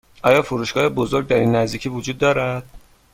آیا فروشگاه بزرگ در این نزدیکی وجود دارد؟